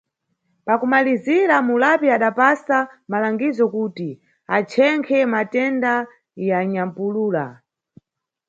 Pakumalizira, mulapi adapasa malangizo kuti achenkhe matenda ya nyampulula.